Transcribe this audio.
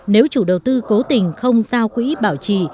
nếu chủ đầu tư cố tình không giao quỹ bảo trì